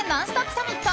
サミット。